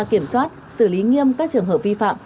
kiểm soát xử lý nghiêm các trường hợp vi phạm